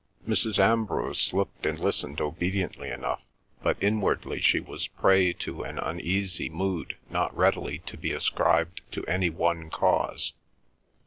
Mrs. Ambrose looked and listened obediently enough, but inwardly she was prey to an uneasy mood not readily to be ascribed to any one cause.